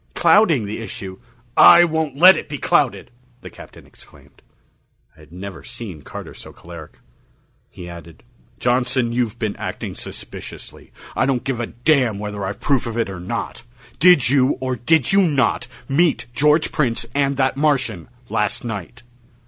"Clouding the issue...." "I won't let it be clouded," the Captain exclaimed. I had never seen Carter so choleric. He added: "Johnson, you've been acting suspiciously. I don't give a damn whether I've proof of it or not. Did you or did you not meet George Prince and that Martian, last night?"